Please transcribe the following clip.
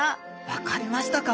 「分かりましたか？」。